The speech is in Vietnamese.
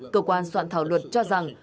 cơ quan soạn thảo luật cho rằng